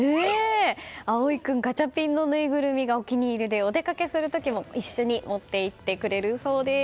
蒼唯君、ガチャピンのぬいぐるみがお気に入りでお出かけする時も一緒に持っていってくれるそうです。